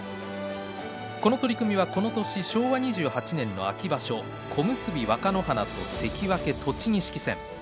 こちらは、この年昭和２８年秋場所小結若ノ花と関脇栃錦の取組。